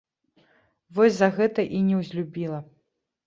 Вось за гэта і неўзлюбіла.